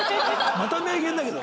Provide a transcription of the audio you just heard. また名言だけど。